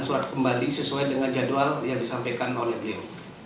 surat kembali sesuai dengan jadwal yang disampaikan oleh beliau